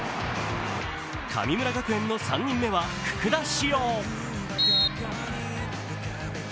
神村学園の３人目は福田師王。